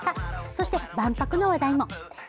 そして万博の話題も。